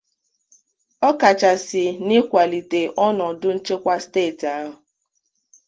ọ kachasị n'ịkwàlìtè ọnọdụ nchekwa steeti ahụ